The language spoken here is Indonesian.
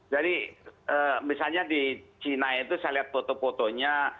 jadi misalnya di china itu saya lihat foto fotonya